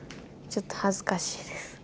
ちょっと恥ずかしいです。